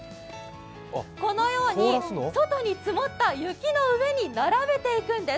このように外に積もった雪の上に並べていくんです。